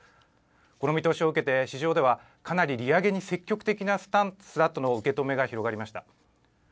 この見通しを受けて、市場では、かなり利上げに積極的なスタンスだとの受け止めが広がりました。